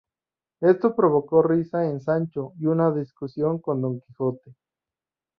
Esto provocó risa en Sancho y una discusión con Don Quijote.